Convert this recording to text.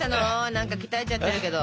何か鍛えちゃってるけど。